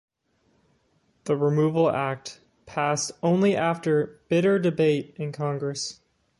The Removal Act passed only after bitter debate in Congress.